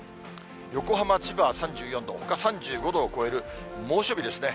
横浜、千葉は３４度、ほか３５度を超える猛暑日ですね。